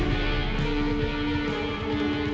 pak naik pak